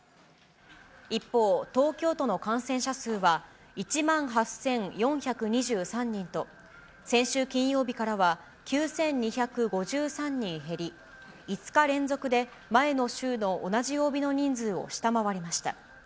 一方、東京都の感染者数は１万８４２３人と、先週金曜日からは９２５３人減り、５日連続で前の週の同じ曜日の人数を下回りました。